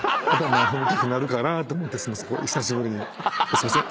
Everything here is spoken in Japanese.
すいません。